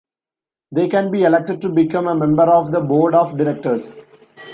They can be elected to become a member of the Board of Directors.